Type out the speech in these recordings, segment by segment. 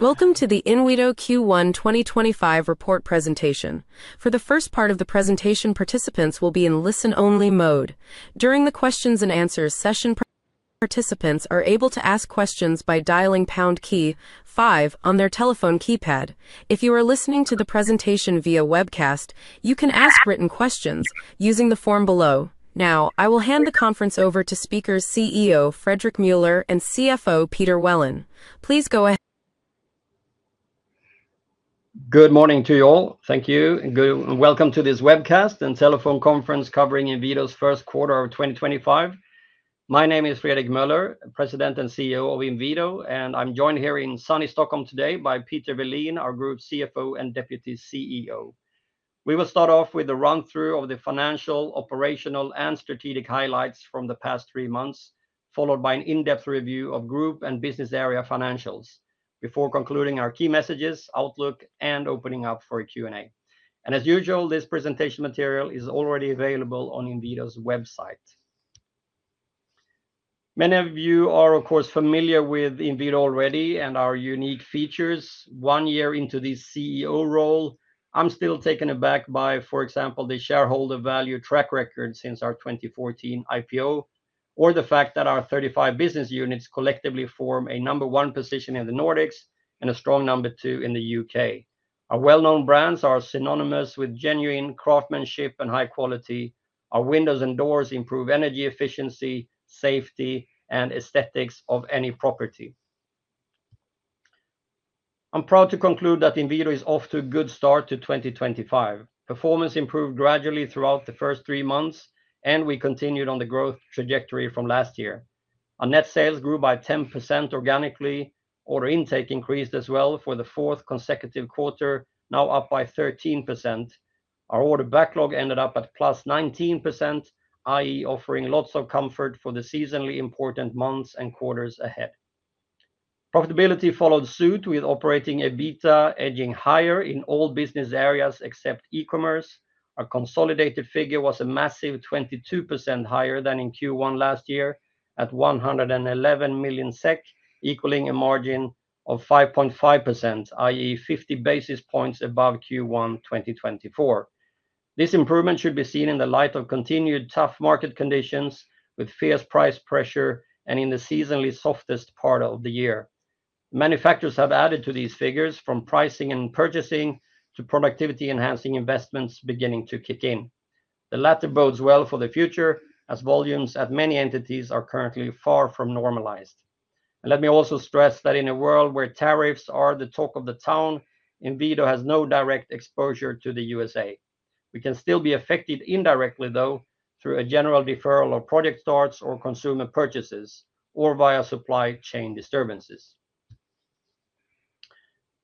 Presentation, participants will be in listen-only mode. During the Q&A session, participants are able to ask questions by dialing pound key five on their telephone keypad. If you are listening to the presentation via webcast, you can ask written questions using the form below. Now, I will hand the conference over to CEO Fredrik Meuller and CFO Peter Welin. Please go ahead. Good morning to you all. Thank you, and welcome to this webcast and telephone conference covering Inwido's First Quarter of 2025. My name is Fredrik Meuller, President and CEO of Inwido, and I'm joined here in sunny Stockholm today by Peter Welin, our Group CFO and Deputy CEO. We will start off with a run-through of the financial, operational, and strategic highlights from the past three months, followed by an in-depth review of Group and Business Area financials before concluding our key messages, outlook, and opening up for Q&A. As usual, this presentation material is already available on Inwido's website. Many of you are, of course, familiar with Inwido already and our unique features. One year into this CEO role, I'm still taken aback by, for example, the shareholder value track record since our 2014 IPO, or the fact that our 35 business units collectively form a number one position in the Nordics and a strong number two in the U.K. Our well-known brands are synonymous with genuine craftsmanship and high quality. Our windows and doors improve energy efficiency, safety, and aesthetics of any property. I'm proud to conclude that Inwido is off to a good start to 2025. Performance improved gradually throughout the first three months, and we continued on the growth trajectory from last year. Our net sales grew by 10% organically. Order intake increased as well for the fourth consecutive quarter, now up by 13%. Our order backlog ended up at plus 19%, i.e., offering lots of comfort for the seasonally important months and quarters ahead. Profitability followed suit with operating EBITDA edging higher in all business areas except e-commerce. Our consolidated figure was a massive 22% higher than in Q1 last year at 111 million SEK, equaling a margin of 5.5%, i.e., 50 basis points above Q1 2024. This improvement should be seen in the light of continued tough market conditions with fierce price pressure and in the seasonally softest part of the year. Manufacturers have added to these figures, from pricing and purchasing to productivity-enhancing investments beginning to kick in. The latter bodes well for the future, as volumes at many entities are currently far from normalized. Let me also stress that in a world where tariffs are the talk of the town, Inwido has no direct exposure to the U.S.A. We can still be affected indirectly, though, through a general deferral of project starts or consumer purchases, or via supply chain disturbances.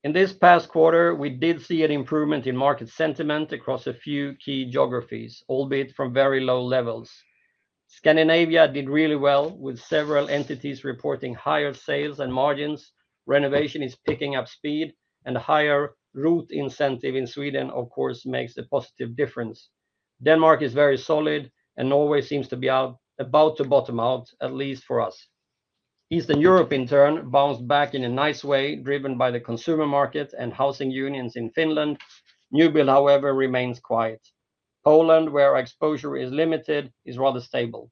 In this past quarter, we did see an improvement in market sentiment across a few key geographies, albeit from very low levels. Scandinavia did really well, with several entities reporting higher sales and margins. Renovation is picking up speed, and a higher route incentive in Sweden, of course, makes a positive difference. Denmark is very solid, and Norway seems to be about to bottom out, at least for us. Eastern Europe, in turn, bounced back in a nice way, driven by the consumer market and housing unions in Finland. New build, however, remains quiet. Poland, where our exposure is limited, is rather stable.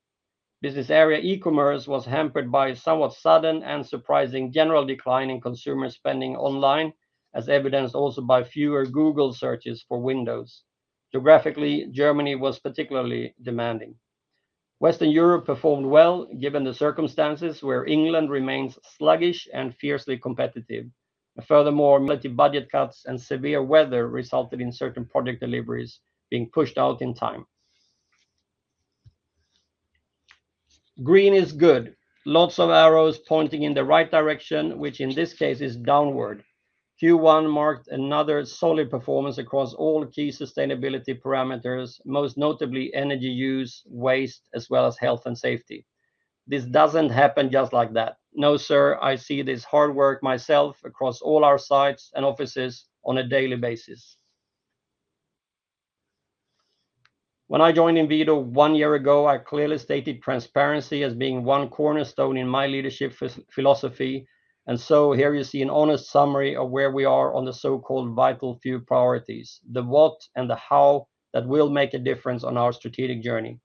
Business area e-commerce was hampered by a somewhat sudden and surprising general decline in consumer spending online, as evidenced also by fewer Google searches for windows. Geographically, Germany was particularly demanding. Western Europe performed well, given the circumstances where England remains sluggish and fiercely competitive. Furthermore, budget cuts and severe weather resulted in certain project deliveries being pushed out in time. Green is good. Lots of arrows pointing in the right direction, which in this case is downward. Q1 marked another solid performance across all key sustainability parameters, most notably energy use, waste, as well as health and safety. This doesn't happen just like that. No, sir, I see this hard work myself across all our sites and offices on a daily basis. When I joined Inwido one year ago, I clearly stated transparency as being one cornerstone in my leadership philosophy. Here you see an honest summary of where we are on the so-called vital few priorities, the what and the how that will make a difference on our strategic journey.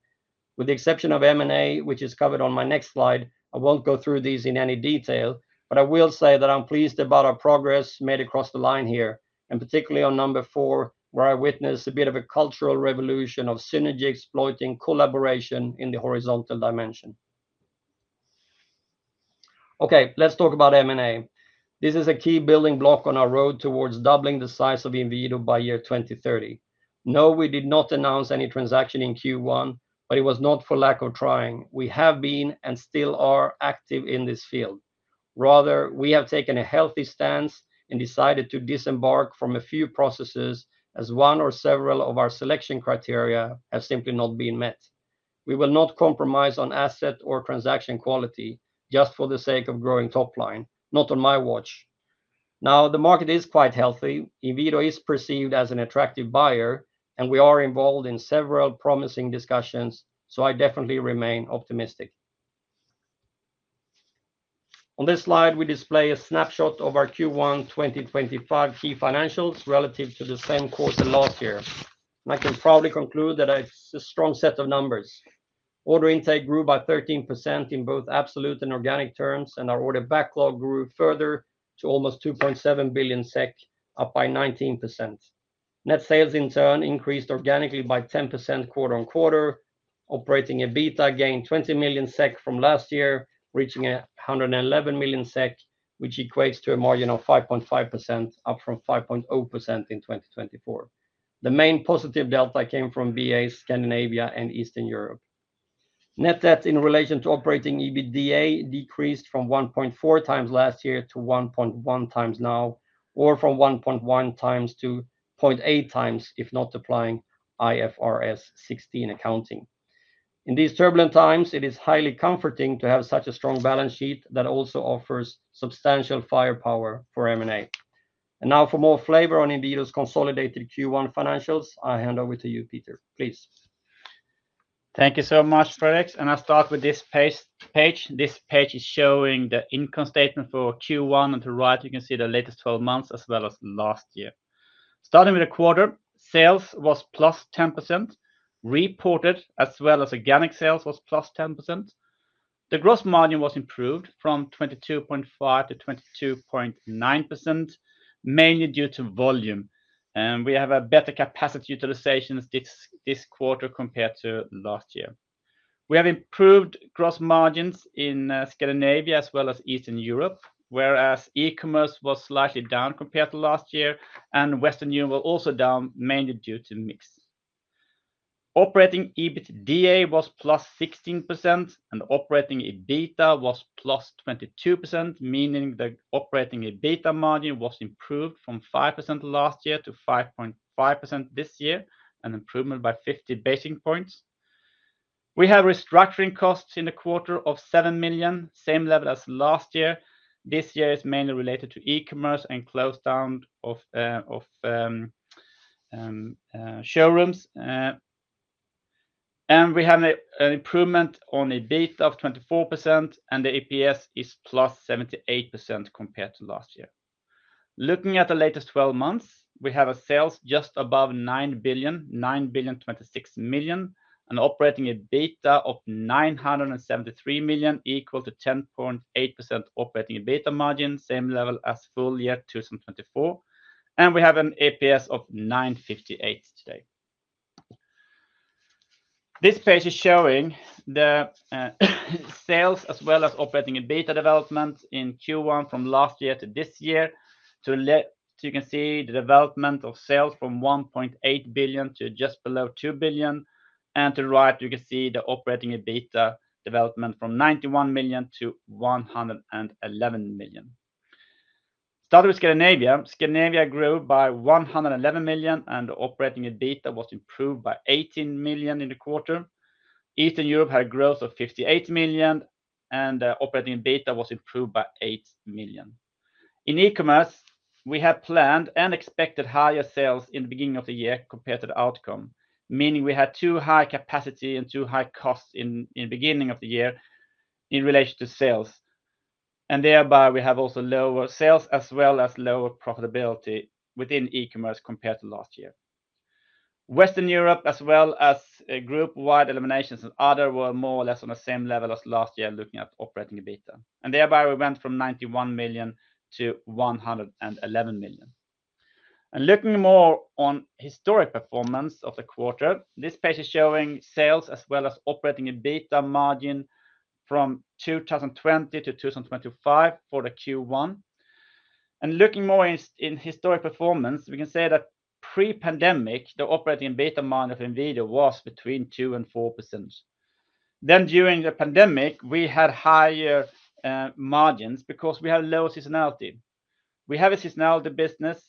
With the exception of M&A, which is covered on my next slide, I won't go through these in any detail, but I will say that I'm pleased about our progress made across the line here, and particularly on number four, where I witnessed a bit of a cultural revolution of synergy exploiting collaboration in the horizontal dimension. Okay, let's talk about M&A. This is a key building block on our road towards doubling the size of Inwido by year 2030. No, we did not announce any transaction in Q1, but it was not for lack of trying. We have been and still are active in this field. Rather, we have taken a healthy stance and decided to disembark from a few processes as one or several of our selection criteria have simply not been met. We will not compromise on asset or transaction quality just for the sake of growing top line, not on my watch. Now, the market is quite healthy. Inwido is perceived as an attractive buyer, and we are involved in several promising discussions, so I definitely remain optimistic. On this slide, we display a snapshot of our Q1 2025 key financials relative to the same quarter last year. I can proudly conclude that it is a strong set of numbers. Order intake grew by 13% in both absolute and organic terms, and our order backlog grew further to almost 2.7 billion SEK, up by 19%. Net sales, in turn, increased organically by 10% quarter on quarter, operating EBITDA gained 20 million SEK from last year, reaching 111 million SEK, which equates to a margin of 5.5%, up from 5.0% in 2024. The main positive delta came from BAs, Scandinavia, and Eastern Europe. Net debt in relation to operating EBITDA decreased from 1.4 times last year to 1.1 times now, or from 1.1 times-0.8 times, if not applying IFRS 16 accounting. In these turbulent times, it is highly comforting to have such a strong balance sheet that also offers substantial firepower for M&A. For more flavor on Inwido's consolidated Q1 financials, I hand over to you, Peter. Please. Thank you so much, Fredrik. I will start with this page. This page is showing the income statement for Q1, and to the right, you can see the latest 12 months as well as last year. Starting with the quarter, sales was plus 10% reported, as well as organic sales was plus 10%. The gross margin was improved from 22.5%-22.9%, mainly due to volume. We have a better capacity utilization this quarter compared to last year. We have improved gross margins in Scandinavia as well as Eastern Europe, whereas e-commerce was slightly down compared to last year, and Western Europe was also down, mainly due to mix. Operating EBITDA was plus 16%, and operating EBITDA was plus 22%, meaning the operating EBITDA margin was improved from 5% last year to 5.5% this year, an improvement by 50 basis points. We have restructuring costs in the quarter of 7 million, same level as last year. This year is mainly related to e-commerce and close down of showrooms. We have an improvement on EBITDA of 24%, and the EPS is plus 78% compared to last year. Looking at the latest 12 months, we have sales just above 9 billion, 9 billion 26 million, an operating EBITDA of 973 million, equal to 10.8% operating EBITDA margin, same level as full year 2024. We have an EPS of 9.58 today. This page is showing the sales as well as operating EBITDA development in Q1 from last year to this year. You can see the development of sales from 1.8 billion to just below 2 billion. To the right, you can see the operating EBITDA development from 91 million-111 million. Starting with Scandinavia, Scandinavia grew by 111 million, and the operating EBITDA was improved by 18 million in the quarter. Eastern Europe had a growth of 58 million, and the operating EBITDA was improved by 8 million. In e-commerce, we had planned and expected higher sales in the beginning of the year compared to the outcome, meaning we had too high capacity and too high costs in the beginning of the year in relation to sales. Thereby, we have also lower sales as well as lower profitability within e-commerce compared to last year. Western Europe, as well as group-wide eliminations and other, were more or less on the same level as last year, looking at operating EBITDA. Thereby, we went from 91 million-111 million. Looking more on historic performance of the quarter, this page is showing sales as well as operating EBITDA margin from 2020-2025 for the Q1. Looking more in historic performance, we can say that pre-pandemic, the operating EBITDA margin of Inwido was between 2% and 4%. During the pandemic, we had higher margins because we had low seasonality. We have a seasonality business,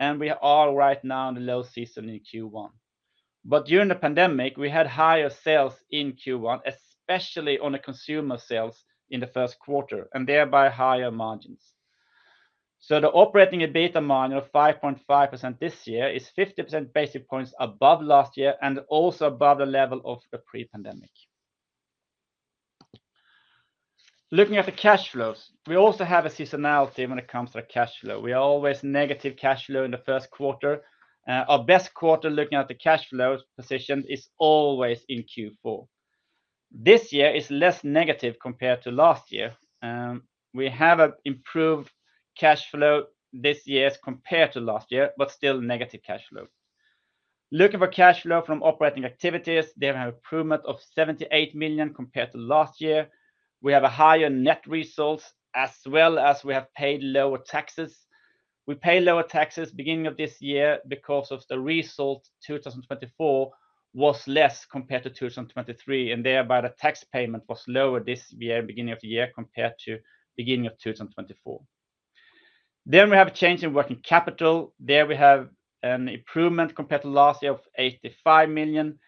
and we are right now in the low season in Q1. During the pandemic, we had higher sales in Q1, especially on the consumer sales in the first quarter, and thereby higher margins. The operating EBITDA margin of 5.5% this year is 50 basis points above last year and also above the level of pre-pandemic. Looking at the cash flows, we also have a seasonality when it comes to the cash flow. We are always negative cash flow in the first quarter. Our best quarter looking at the cash flow position is always in Q4. This year is less negative compared to last year. We have an improved cash flow this year compared to last year, but still negative cash flow. Looking for cash flow from operating activities, they have an improvement of 78 million compared to last year. We have a higher net result, as well as we have paid lower taxes. We paid lower taxes at the beginning of this year because the result 2024 was less compared to 2023, and thereby the tax payment was lower this year at the beginning of the year compared to the beginning of 2024. We have a change in working capital. There we have an improvement compared to last year of 85 million.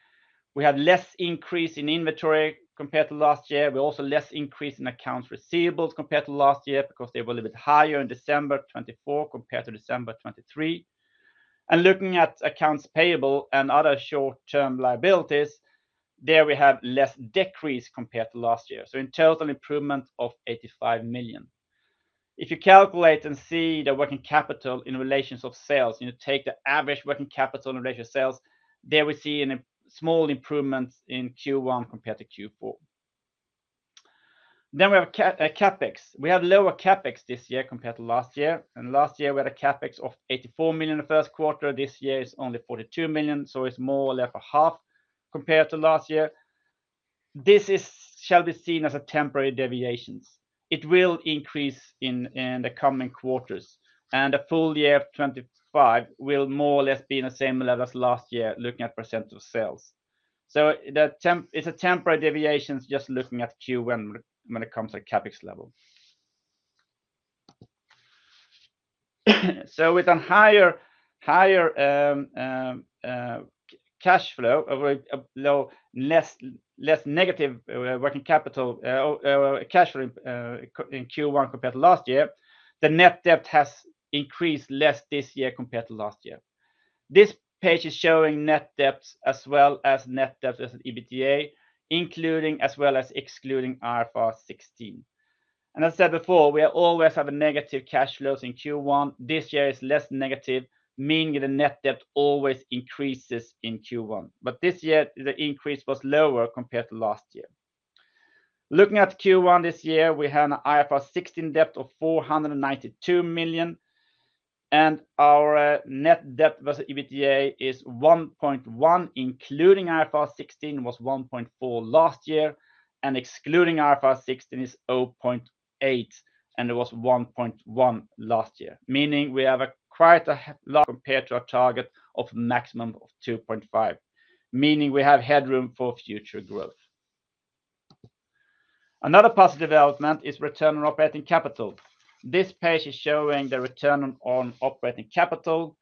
We had less increase in inventory compared to last year. We also had a less increase in accounts receivables compared to last year because they were a little bit higher in December 2024 compared to December 2023. Looking at accounts payable and other short-term liabilities, there we have a less decrease compared to last year. In total, an improvement of 85 million. If you calculate and see the working capital in relation to sales, you take the average working capital in relation to sales, there we see a small improvement in Q1 compared to Q4. We have CapEx. We have lower CapEx this year compared to last year. Last year, we had a CapEx of 84 million in the first quarter. This year is only 42 million, so it is more or less a half compared to last year. This shall be seen as temporary deviations. It will increase in the coming quarters. The full year of 2025 will more or less be at the same level as last year, looking at % of sales. It is a temporary deviation just looking at Q1 when it comes to CapEx level. With a higher cash flow, less negative working capital cash flow in Q1 compared to last year, the net debt has increased less this year compared to last year. This page is showing net debt as well as net debt as EBITDA, including as well as excluding IFRS 16. As I said before, we always have negative cash flows in Q1. This year is less negative, meaning the net debt always increases in Q1. This year, the increase was lower compared to last year. Looking at Q1 this year, we had an IFRS 16 debt of 492 million. Our net debt versus EBITDA is 1.1, including IFRS 16, was 1.4 last year. Excluding IFRS 16 is 0.8, and it was 1.1 last year, meaning we have quite a compared to our target of maximum of 2.5, meaning we have headroom for future growth. Another positive development is return on operating capital. This page is showing the return on operating capital.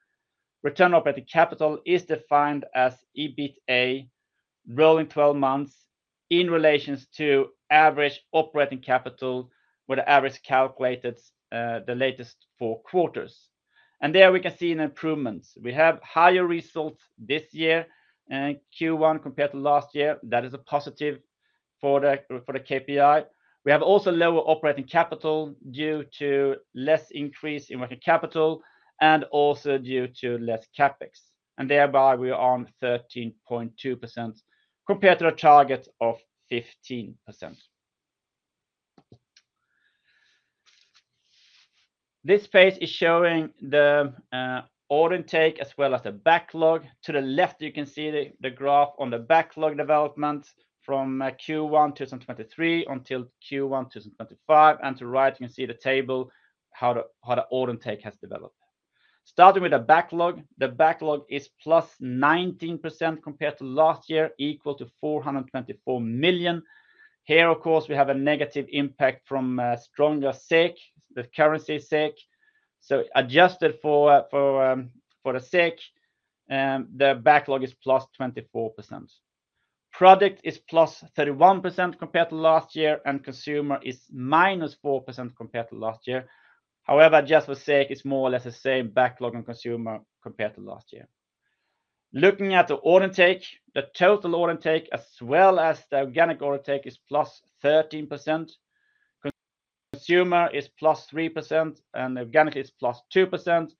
Return on operating capital is defined as EBITA rolling 12 months in relation to average operating capital, where the average calculated the latest four quarters. There we can see an improvement. We have higher results this year in Q1 compared to last year. That is a positive for the KPI. We have also lower operating capital due to less increase in working capital and also due to less CapEx. Thereby, we are on 13.2% compared to our target of 15%. This page is showing the order intake as well as the backlog. To the left, you can see the graph on the backlog development from Q1 2023 until Q1 2025. To the right, you can see the table, how the order intake has developed. Starting with the backlog, the backlog is plus 19% compared to last year, equal to 424 million. Here, of course, we have a negative impact from stronger SEK, the currency SEK. Adjusted for the SEK, the backlog is plus 24%. Product is plus 31% compared to last year, and consumer is minus 4% compared to last year. However, adjusted for SEK, it is more or less the same backlog on consumer compared to last year. Looking at the order intake, the total order intake as well as the organic order intake is plus 13%. Consumer is plus 3%, and organic is plus 2%.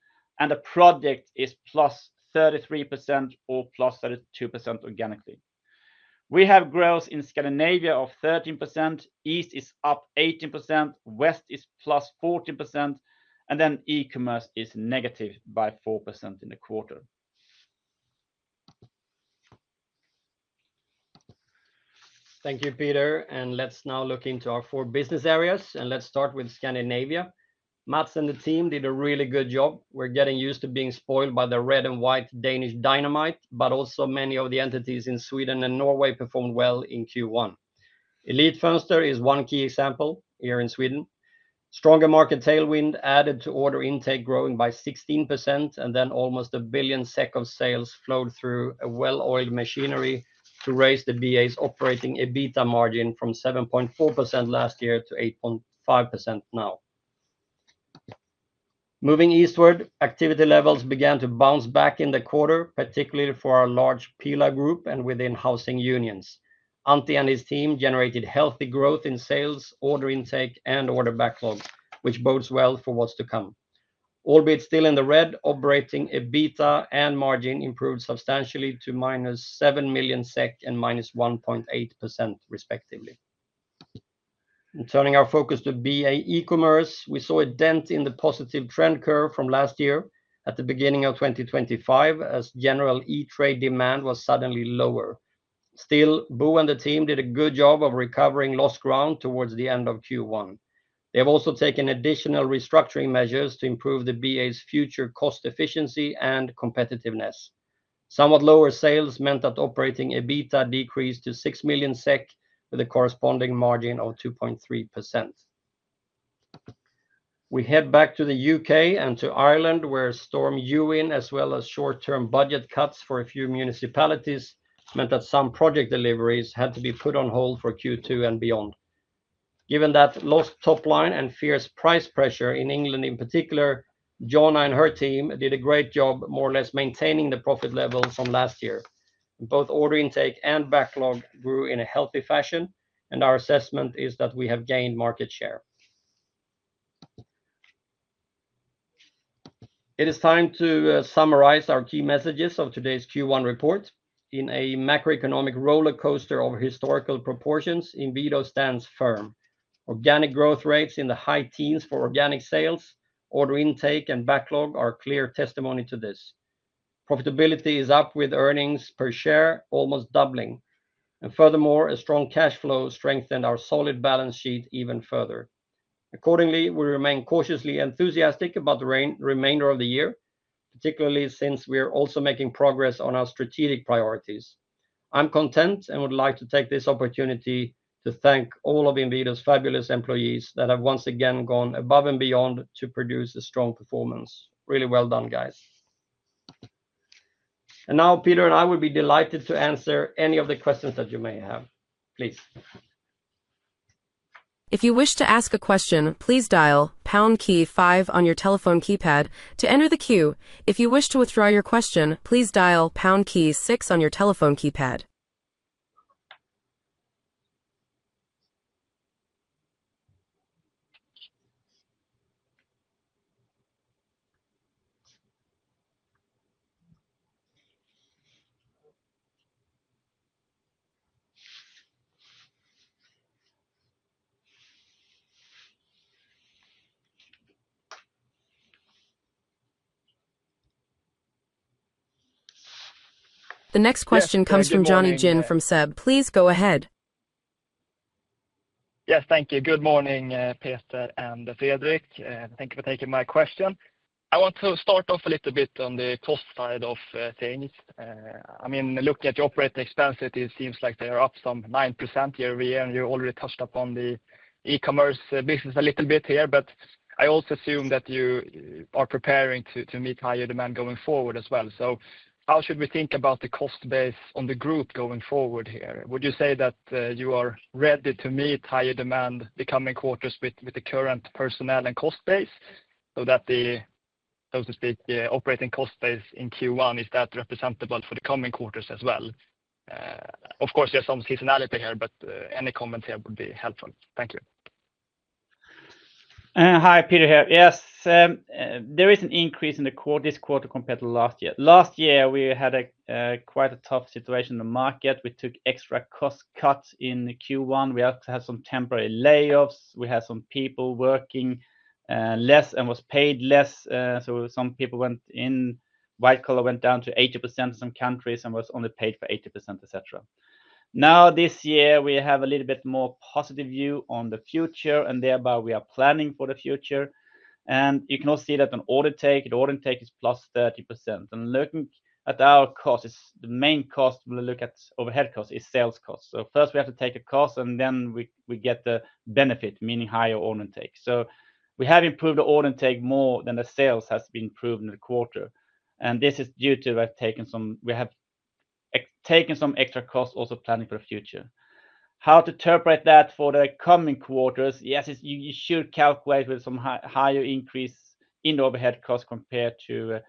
The product is plus 33% or plus 32% organically. We have growth in Scandinavia of 13%. East is up 18%. West is plus 14%. E-commerce is negative by 4% in the quarter. Thank you, Peter. Let's now look into our four business areas. Let's start with Scandinavia. Mads and the team did a really good job. We're getting used to being spoiled by the red and white Danish dynamite, but also many of the entities in Sweden and Norway performed well in Q1. Elitfönster is one key example here in Sweden. Stronger market tailwind added to order intake growing by 16%, and almost 1 billion SEK of sales flowed through a well-oiled machinery to raise the VA's operating EBITDA margin from 7.4% last year to 8.5% now. Moving eastward, activity levels began to bounce back in the quarter, particularly for our large PILA Group and within housing u`nions. Antti and his team generated healthy growth in sales, order intake, and order backlog, which bodes well for what's to come. Albeit still in the red, operating EBITDA and margin improved substantially to -7 million SEK and -1.8%, respectively. Turning our focus to VA e-commerce, we saw a dent in the positive trend curve from last year at the beginning of 2025 as general e-trade demand was suddenly lower. Still, Boo and the team did a good job of recovering lost ground towards the end of Q1. They have also taken additional restructuring measures to improve the VA's future cost efficiency and competitiveness. Somewhat lower sales meant that operating EBITDA decreased to 6 million SEK with a corresponding margin of 2.3%. We head back to the U.K. and to Ireland, where storm Eowyn, as well as short-term budget cuts for a few municipalities, meant that some project deliveries had to be put on hold for Q2 and beyond. Given that lost top line and fierce price pressure in England in particular, Jonna and her team did a great job more or less maintaining the profit level from last year. Both order intake and backlog grew in a healthy fashion, and our assessment is that we have gained market share. It is time to summarize our key messages of today's Q1 report. In a macroeconomic roller coaster of historical proportions, Inwido stands firm. Organic growth rates in the high teens for organic sales, order intake, and backlog are clear testimony to this. Profitability is up with earnings per share, almost doubling. Furthermore, a strong cash flow strengthened our solid balance sheet even further. Accordingly, we remain cautiously enthusiastic about the remainder of the year, particularly since we are also making progress on our strategic priorities. I'm content and would like to take this opportunity to thank all of Inwido's fabulous employees that have once again gone above and beyond to produce a strong performance. Really well done, guys. Now, Peter and I would be delighted to answer any of the questions that you may have. Please. If you wish to ask a question, please dial pound key five on your telephone keypad to enter the queue. If you wish to withdraw your question, please dial pound key six on your telephone keypad. The next question comes from Jonny Jin from SEB. Please go ahead. Yes, thank you. Good morning, Peter and Fredrik. Thank you for taking my question. I want to start off a little bit on the cost side of things. I mean, looking at your operating expenses, it seems like they are up some 9% year over year. You already touched upon the e-commerce business a little bit here, but I also assume that you are preparing to meet higher demand going forward as well. How should we think about the cost base on the group going forward here? Would you say that you are ready to meet higher demand the coming quarters with the current personnel and cost base so that the, so to speak, operating cost base in Q1 is that representable for the coming quarters as well? Of course, there's some seasonality here, but any comments here would be helpful. Thank you. Hi, Peter here. Yes, there is an increase in the quarter this quarter compared to last year. Last year, we had quite a tough situation in the market. We took extra cost cuts in Q1. We also had some temporary layoffs. We had some people working less and were paid less. Some people went in, white collar went down to 80% in some countries and were only paid for 80%, et cetera. Now, this year, we have a little bit more positive view on the future, and thereby we are planning for the future. You can also see that on order intake, the order intake is plus 30%. Looking at our costs, the main cost when we look at overhead costs is sales costs. First, we have to take a cost, and then we get the benefit, meaning higher order intake. We have improved the order intake more than the sales has been improved in the quarter. This is due to we have taken some extra costs also planning for the future. How to interpret that for the coming quarters? Yes, you should calculate with some higher increase in the overhead costs compared to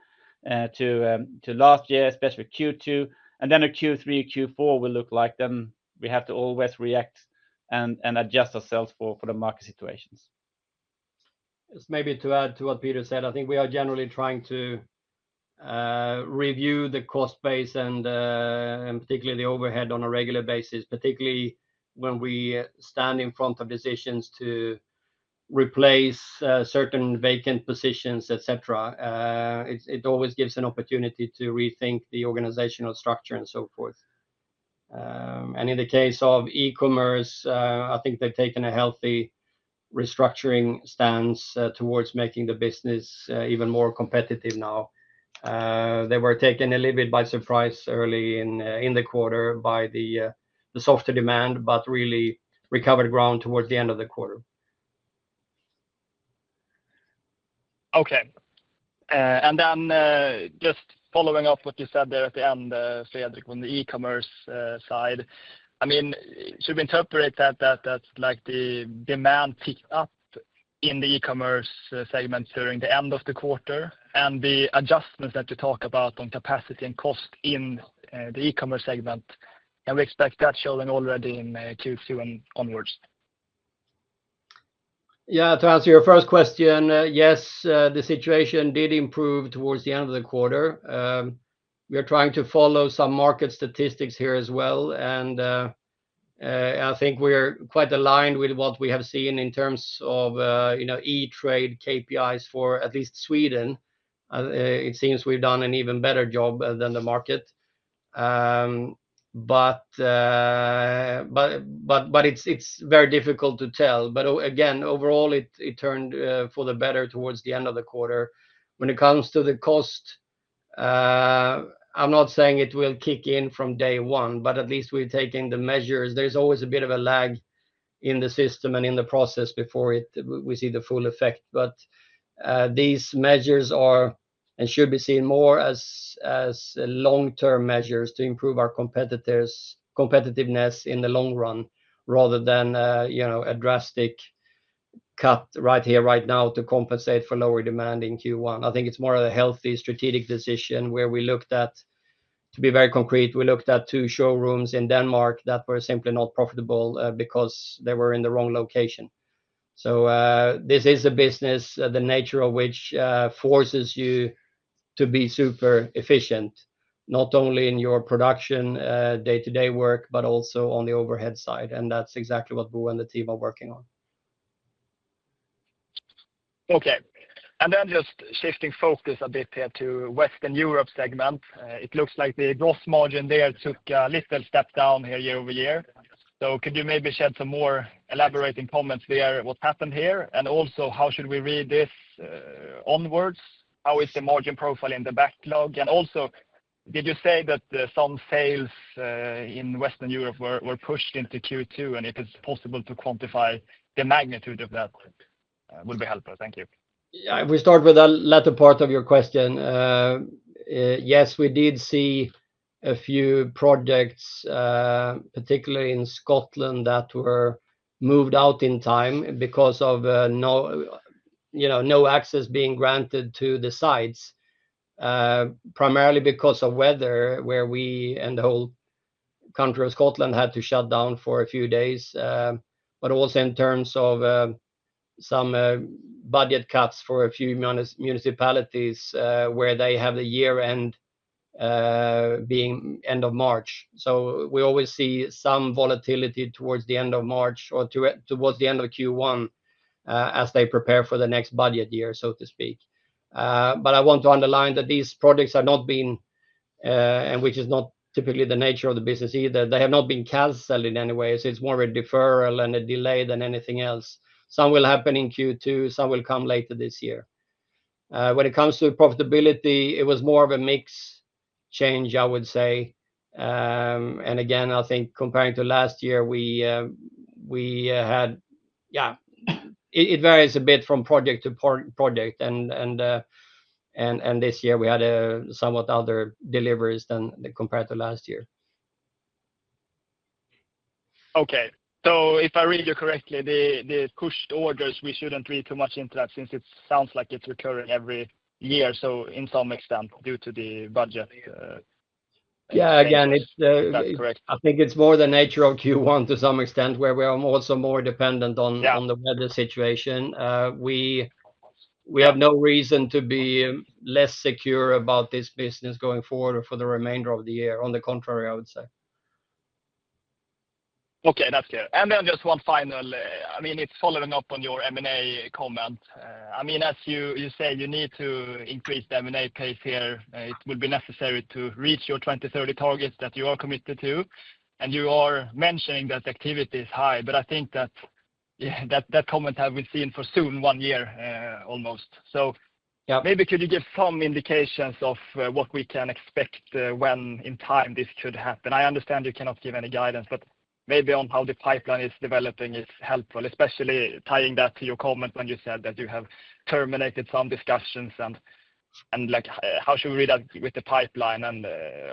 last year, especially Q2. The Q3, Q4 will look like then we have to always react and adjust ourselves for the market situations. Just maybe to add to what Peter said, I think we are generally trying to review the cost base and particularly the overhead on a regular basis, particularly when we stand in front of decisions to replace certain vacant positions, et cetera. It always gives an opportunity to rethink the organizational structure and so forth. In the case of e-commerce, I think they've taken a healthy restructuring stance towards making the business even more competitive now. They were taken a little bit by surprise early in the quarter by the soft demand, but really recovered ground towards the end of the quarter. Okay. Just following up what you said there at the end, Fredrik, on the e-commerce side, I mean, should we interpret that the demand picked up in the e-commerce segment during the end of the quarter? The adjustments that you talk about on capacity and cost in the e-commerce segment, can we expect that showing already in Q2 and onwards? Yeah, to answer your first question, yes, the situation did improve towards the end of the quarter. We are trying to follow some market statistics here as well. I think we are quite aligned with what we have seen in terms of e-trade KPIs for at least Sweden. It seems we've done an even better job than the market. It is very difficult to tell. Again, overall, it turned for the better towards the end of the quarter. When it comes to the cost, I'm not saying it will kick in from day one, but at least we've taken the measures. There is always a bit of a lag in the system and in the process before we see the full effect. These measures are and should be seen more as long-term measures to improve our competitiveness in the long run rather than a drastic cut right here, right now to compensate for lower demand in Q1. I think it's more of a healthy strategic decision where we looked at, to be very concrete, we looked at two showrooms in Denmark that were simply not profitable because they were in the wrong location. This is a business, the nature of which forces you to be super efficient, not only in your production day-to-day work, but also on the overhead side. That's exactly what Boo and the team are working on. Okay. Just shifting focus a bit here to Western Europe segment. It looks like the gross margin there took a little step down here year over year. Could you maybe shed some more elaborating comments there? What's happened here? Also, how should we read this onwards? How is the margin profile in the backlog? Also, did you say that some sales in Western Europe were pushed into Q2? If it's possible to quantify the magnitude of that, it would be helpful. Thank you. Yeah, we start with the latter part of your question. Yes, we did see a few projects, particularly in Scotland, that were moved out in time because of no access being granted to the sites, primarily because of weather where we and the whole country of Scotland had to shut down for a few days, also in terms of some budget cuts for a few municipalities where they have the year-end being end of March. We always see some volatility towards the end of March or towards the end of Q1 as they prepare for the next budget year, so to speak. I want to underline that these projects have not been, and which is not typically the nature of the business either, they have not been canceled in any way. It is more of a deferral and a delay than anything else. Some will happen in Q2. Some will come later this year. When it comes to profitability, it was more of a mixed change, I would say. I think comparing to last year, we had, yeah, it varies a bit from project to project. This year, we had somewhat other deliveries than compared to last year. Okay. If I read you correctly, the pushed orders, we shouldn't read too much into that since it sounds like it's recurring every year, so in some extent due to the budget. Yeah, again, I think it's more the nature of Q1 to some extent where we are also more dependent on the weather situation. We have no reason to be less secure about this business going forward for the remainder of the year. On the contrary, I would say. Okay, that's clear. Just one final, I mean, it's following up on your M&A comment. I mean, as you say, you need to increase the M&A pace here. It will be necessary to reach your 2030 targets that you are committed to. You are mentioning that activity is high, but I think that comment, have we seen for soon, one year almost. Maybe could you give some indications of what we can expect when in time this could happen? I understand you cannot give any guidance, but maybe on how the pipeline is developing is helpful, especially tying that to your comment when you said that you have terminated some discussions. How should we read that with the pipeline?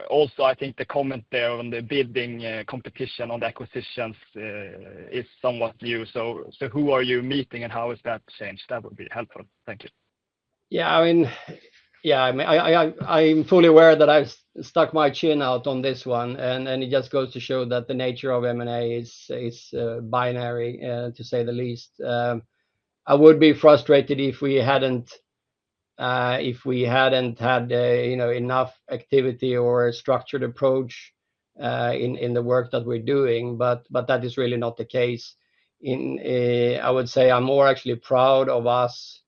Also, I think the comment there on the building competition on the acquisitions is somewhat new. Who are you meeting and how has that changed? That would be helpful. Thank you. Yeah, I mean, yeah, I'm fully aware that I've stuck my chin out on this one. It just goes to show that the nature of M&A is binary, to say the least. I would be frustrated if we hadn't had enough activity or a structured approach in the work that we're doing. That is really not the case. I would say I'm more actually proud of us,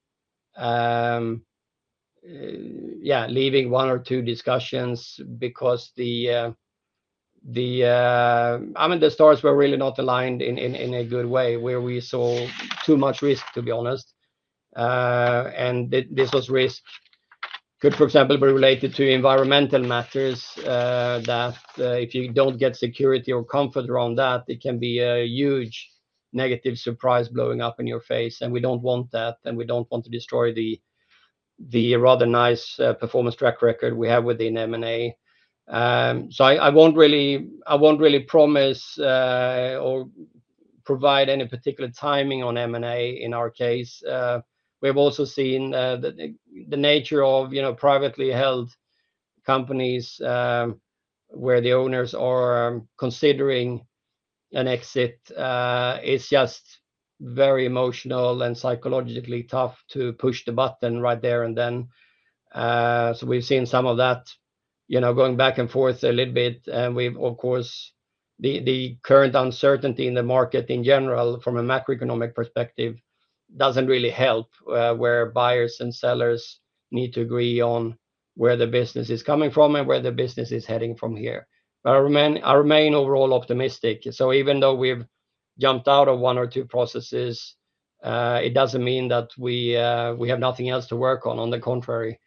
yeah, leaving one or two discussions because the, I mean, the stores were really not aligned in a good way where we saw too much risk, to be honest. This risk could, for example, be related to environmental matters that if you don't get security or comfort around that, it can be a huge negative surprise blowing up in your face. We don't want that. We do not want to destroy the rather nice performance track record we have within M&A. I will not really promise or provide any particular timing on M&A in our case. We have also seen the nature of privately held companies where the owners are considering an exit is just very emotional and psychologically tough to push the button right there and then. We have seen some of that going back and forth a little bit. Of course, the current uncertainty in the market in general from a macroeconomic perspective does not really help where buyers and sellers need to agree on where the business is coming from and where the business is heading from here. I remain overall optimistic. Even though we have jumped out of one or two processes, it does not mean that we have nothing else to work on. On the contrary.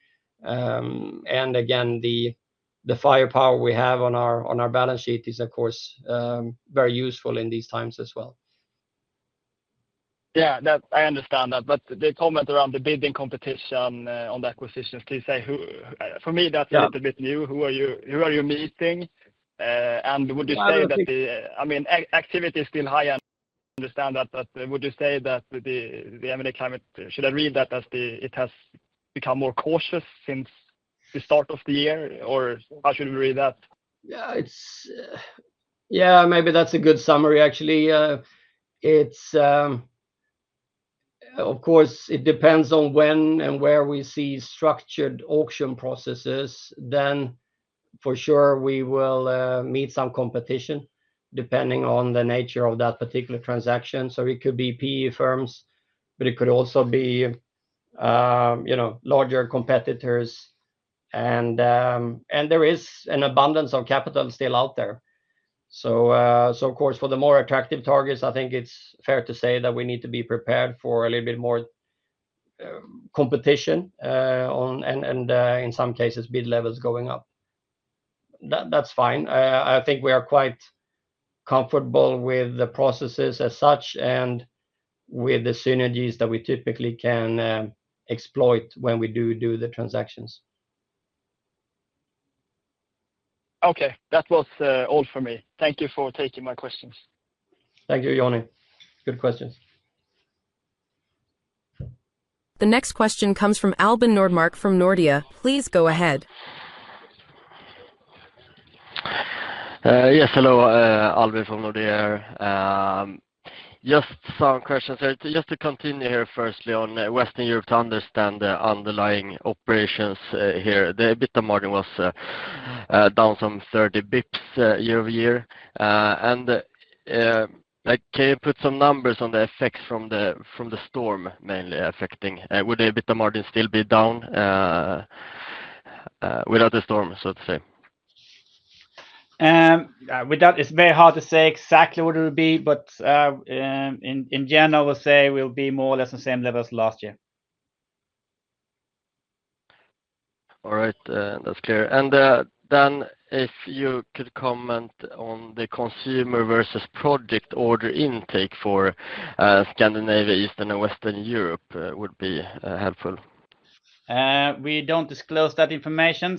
The firepower we have on our balance sheet is, of course, very useful in these times as well. Yeah, I understand that. The comment around the building competition on the acquisitions, to say, for me, that's a little bit new. Who are you meeting? Would you say that the, I mean, activity is still high. I understand that. Would you say that the M&A climate, should I read that as it has become more cautious since the start of the year? How should we read that? Yeah, yeah, maybe that's a good summary, actually. Of course, it depends on when and where we see structured auction processes. For sure, we will meet some competition depending on the nature of that particular transaction. It could be PE firms, but it could also be larger competitors. There is an abundance of capital still out there. For the more attractive targets, I think it's fair to say that we need to be prepared for a little bit more competition and in some cases, bid levels going up. That's fine. I think we are quite comfortable with the processes as such and with the synergies that we typically can exploit when we do do the transactions. Okay. That was all for me. Thank you for taking my questions. Thank you, Jonny. Good questions. The next question comes from Albin Nordmark from Nordea. Please go ahead. Yes, hello, Albin from Nordea. Just some questions. Just to continue here firstly on Western Europe to understand the underlying operations here. The EBITDA margin was down some 30 basis points year over year. Can you put some numbers on the effects from the storm mainly affecting? Would the EBITDA margin still be down without the storm, so to say? It's very hard to say exactly what it would be, but in general, I would say it will be more or less the same level as last year. All right. That's clear. If you could comment on the consumer versus project order intake for Scandinavia, Eastern, and Western Europe, that would be helpful. We don't disclose that information.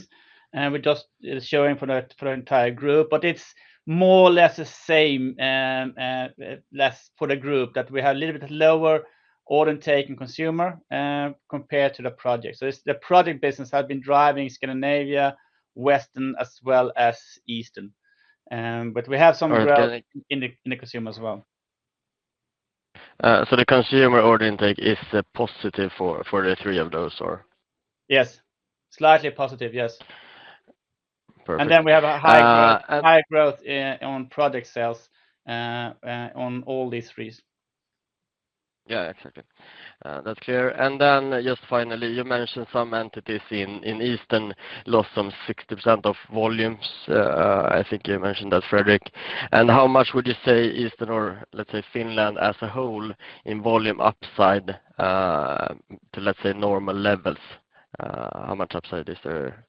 We're just showing for the entire group. It's more or less the same, less for the group that we have a little bit lower order intake in consumer compared to the project. The project business has been driving Scandinavia, Western, as well as Eastern. We have some growth in the consumer as well. The consumer order intake is positive for the three of those, or? Yes. Slightly positive, yes. We have a high growth on project sales on all these threes. Yeah, exactly. That's clear. Just finally, you mentioned some entities in Eastern lost some 60% of volumes. I think you mentioned that, Fredrik. How much would you say Eastern or, let's say, Finland as a whole in volume upside to, let's say, normal levels? How much upside is there?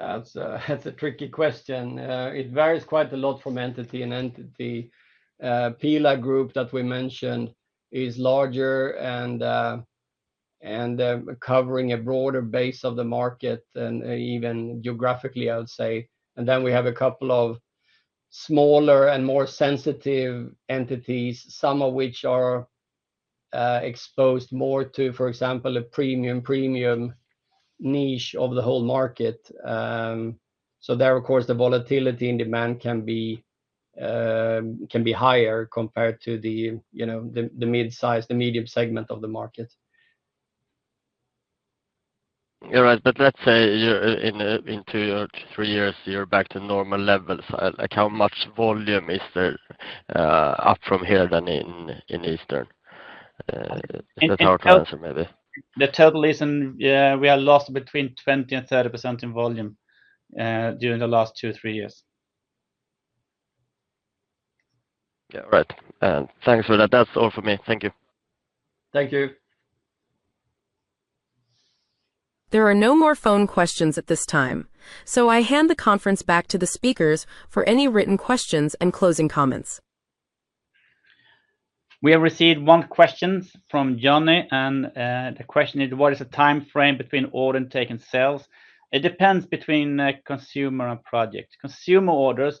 Yeah. That's a tricky question. It varies quite a lot from entity to entity. PILA Group that we mentioned is larger and covering a broader base of the market and even geographically, I would say. We have a couple of smaller and more sensitive entities, some of which are exposed more to, for example, a premium premium niche of the whole market. There, of course, the volatility in demand can be higher compared to the mid-size, the medium segment of the market. All right. Let's say in two or three years, you're back to normal levels. How much volume is there up from here than in Eastern? That's our question, maybe. The total is, we are lost between 20% and 30% in volume during the last two, three years. Yeah, right. Thanks for that. That's all for me. Thank you. Thank you. There are no more phone questions at this time. I hand the conference back to the speakers for any written questions and closing comments. We have received one question from Jonna. The question is, what is the time frame between order intake and sales? It depends between consumer and project. Consumer orders,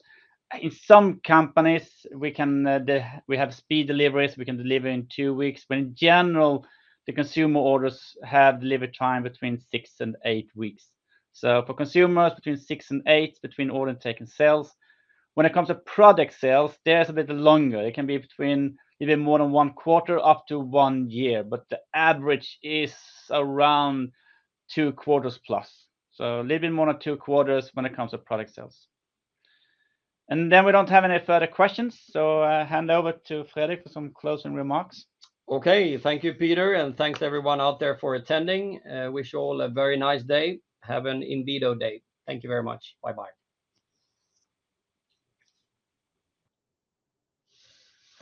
in some companies, we have speed deliveries. We can deliver in two weeks. In general, the consumer orders have delivery time between six and eight weeks. For consumers, between six and eight between order intake and sales. When it comes to project sales, there is a bit longer. It can be a little bit more than one quarter up to one year. The average is around two quarters plus. A little bit more than two quarters when it comes to project sales. We do not have any further questions. I hand over to Fredrik for some closing remarks. Okay. Thank you, Peter. Thank you everyone out there for attending. Wish you all a very nice day. Have an Inwido day. Thank you very much. Bye-bye.